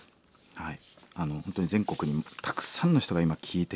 はい。